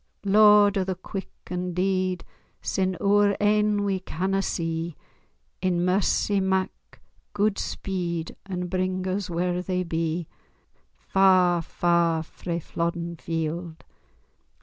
Lord o' the quick an' deed, Sin' oor ain we canna see, In mercy mak gude speed, And bring us whar they be, Far, far, frae Flodden Field!